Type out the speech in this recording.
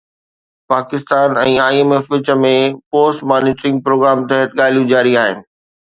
Pakistan ۽ I M F وچ ۾ post monitoring programme تحت ڳالهيون جاري آهن